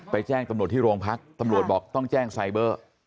แจ้งตำรวจที่โรงพักตำรวจบอกต้องแจ้งไซเบอร์